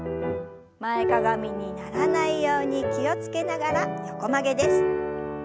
前かがみにならないように気を付けながら横曲げです。